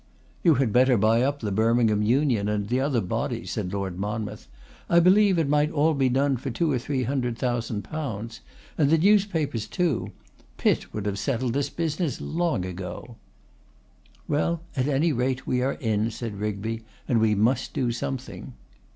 'You had better buy up the Birmingham Union and the other bodies,' said Lord Monmouth; 'I believe it might all be done for two or three hundred thousand pounds; and the newspapers too. Pitt would have settled this business long ago.' 'Well, at any rate, we are in,' said Rigby, 'and we must do something.